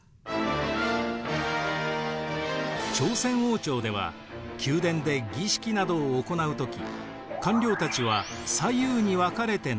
朝鮮王朝では宮殿で儀式などを行う時官僚たちは左右に分かれて並びました。